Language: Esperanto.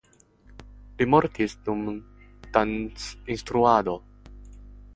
Li mortis dum dancinstruado.